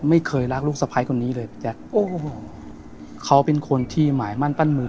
ไม่เคยรักลูกสะพ้ายคนนี้เลยพี่แจ๊คโอ้โหเขาเป็นคนที่หมายมั่นปั้นมือ